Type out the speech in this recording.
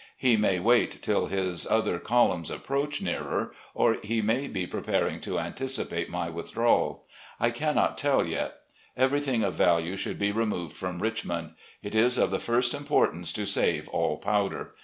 He may wait till his other columns approach nearer, or he may be preparing to anticipate my with drawal. I cannot tell yet. ... Ever3rthing of value should be removed from Richmond. It is of the first importance to save all powder.